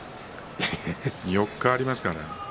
４日ありますから。